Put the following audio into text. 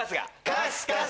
カスカス。